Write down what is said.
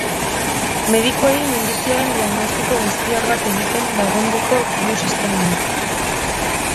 Medikuei minbiziaren diagnostiko goiztiar bat egiten lagunko du sistema honek.